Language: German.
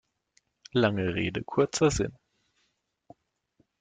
Lange Rede, kurzer Sinn.